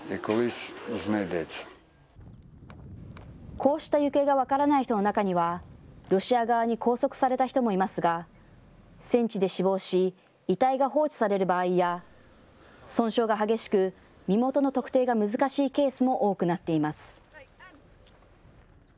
こうした行方が分からない人の中には、ロシア側に拘束された人もいますが、戦地で死亡し、遺体が放置される場合や、損傷が激しく、身元の特定が難しいケースも多くなっています。